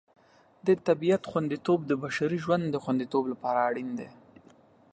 د طبیعت خوندیتوب د بشري ژوند د خوندیتوب لپاره اړین دی.